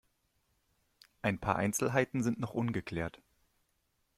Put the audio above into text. Ein paar Einzelheiten sind noch ungeklärt.